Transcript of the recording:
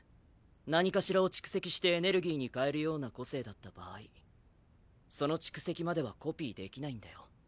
何かしらを蓄積してエネルギーに変えるような個性だった場合その蓄積まではコピーできないんだよ。